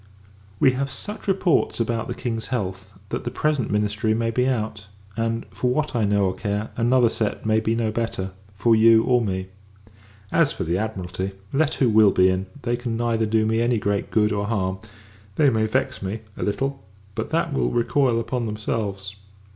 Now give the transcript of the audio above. We have such reports about the King's health, that the present ministry may be out; and, for what I know or care, another set may be no better, for you or me. As for the Admiralty, let who will be in, they can neither do me any great good or harm: they may vex me, a little; but, that will recoil upon themselves.